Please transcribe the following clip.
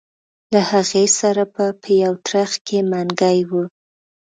له هغې سره به په یو ترخ کې منګی و.